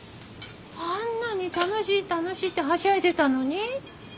あんなに楽しい楽しいってはしゃいでたのに。